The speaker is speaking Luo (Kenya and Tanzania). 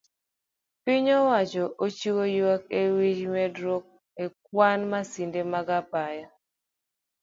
Piny owacho ochiwo yuak ewi medruok e kwan masiche mag apaya